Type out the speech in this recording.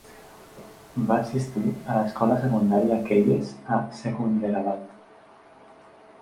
Va assistir a l'escola secundària Keyes a Secunderabad.